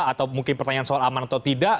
atau mungkin pertanyaan soal aman atau tidak